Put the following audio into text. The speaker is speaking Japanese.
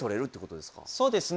そうですね。